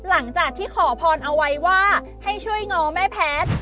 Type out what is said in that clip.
หลังจากที่ขอพรเอาไว้ว่าให้ช่วยง้อแม่แพทย์